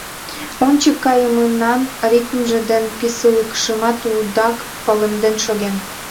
Ончык кайымынан ритмже ден писылыкшымат тудак палемден шоген.